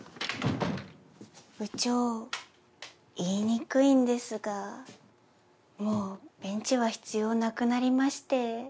部長言いにくいんですがもうベンチは必要なくなりまして。